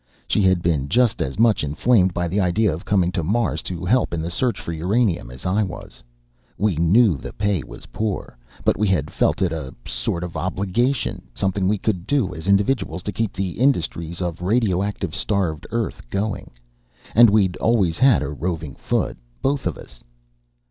She had been just as much inflamed by the idea of coming to Mars to help in the search for uranium as I was. We knew the pay was poor, but we had felt it a sort of obligation, something we could do as individuals to keep the industries of radioactives starved Earth going. And we'd always had a roving foot, both of us.